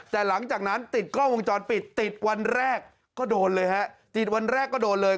แต่หลังจากนั้นติดกล้องวงจรปิดติดวันแรกก็โดนเลยฮะติดวันแรกก็โดนเลย